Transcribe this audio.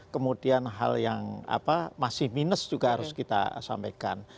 kemudian hal yang masih minus juga harus kita sampaikan